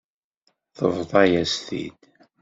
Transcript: Tebḍa-yas-t-id.